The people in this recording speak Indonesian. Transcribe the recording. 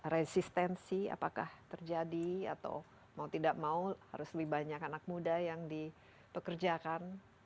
resistensi apakah terjadi atau mau tidak mau harus lebih banyak anak muda yang dipekerjakan